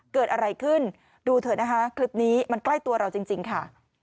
เกิดอะไรขึ้นดูเถอะนะคะคลิปนี้มันใกล้ตัวเราจริงค่ะ